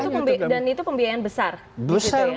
dan itu pembiayaan besar